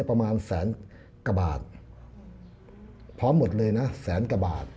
พร้อมหมดเลยนะแสนกว่าบาท